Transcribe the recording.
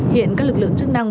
hiện các lực lượng chức năng